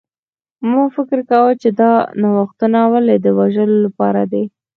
ما فکر کاوه چې دا نوښتونه ولې د وژلو لپاره دي